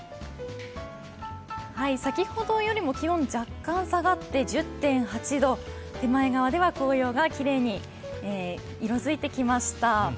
先ほどよりも気温、若干下がって１０．８度手前側では紅葉がきれいに色づいてきました。